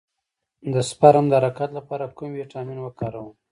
د سپرم د حرکت لپاره کوم ویټامین وکاروم؟